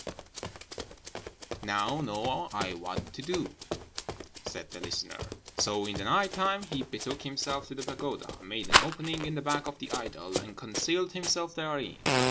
"'Now know I what to do,' said the listener; so in the night time he betook himself to the pagoda, made an opening in the back of the idol, and concealed himself therein.